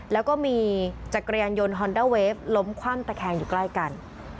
แล้วก็มีจักรยานยนต์ฮอนด้าเวฟล้มคว่ำตะแคงอยู่ใกล้กัน